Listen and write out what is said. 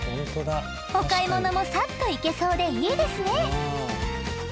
お買い物もさっと行けそうでいいですね。